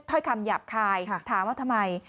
ถ้อยคำหยาบคายถามว่าทำไม